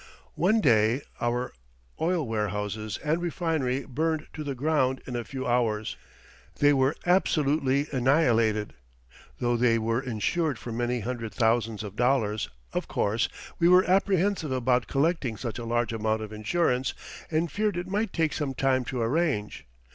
One day our oil warehouses and refinery burned to the ground in a few hours they were absolutely annihilated. Though they were insured for many hundred thousands of dollars, of course, we were apprehensive about collecting such a large amount of insurance, and feared it might take some time to arrange.